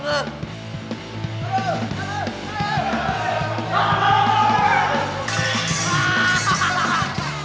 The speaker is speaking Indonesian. terus terus terus